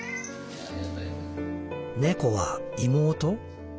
「猫は妹？